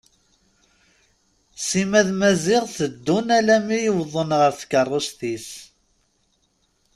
Sima d Maziɣ teddun alammi i wwḍen ɣer tkerrust-is.